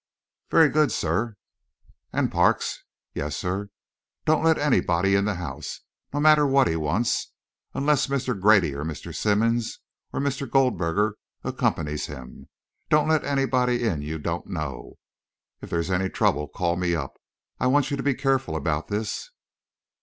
"Very good, sir." "And, Parks." "Yes, sir?" "Don't let anybody in the house no matter what he wants unless Mr. Grady or Mr. Simmonds or Mr. Goldberger accompanies him. Don't let anybody in you don't know. If there is any trouble, call me up. I want you to be careful about this."